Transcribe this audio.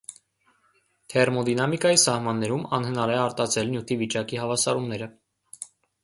Թերմոդինամիկայի սահմաններում անհնար է արտածել նյութի վիճակի հավասարումները։